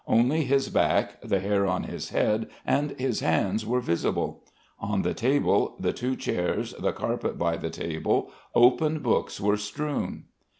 Only his back, the hair on his head and his hands were visible. On the table, the two chairs, the carpet by the table open books were strewn.